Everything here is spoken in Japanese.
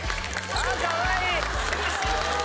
あかわいい！